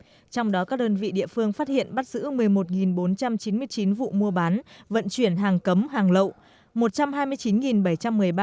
trong đó các đơn vị địa phương phát hiện bắt giữ một mươi một bốn trăm chín mươi chín vụ mua bán vận chuyển hàng cấm hàng lậu